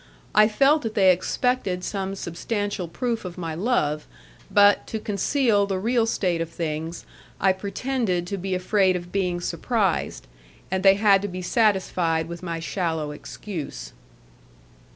I felt that they expected some substantial proof of my love; but, to conceal the real state, of things, I pretended to be afraid of being surprised, and they had to be satisfied with my shallow excuse.